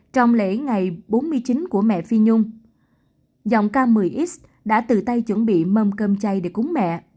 trong lễ ngày bốn mươi chín của mẹ phi nhung dòng k một mươi x đã tự tay chuẩn bị mâm cơm chay để cúng mẹ